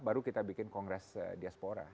baru kita bikin kongres diaspora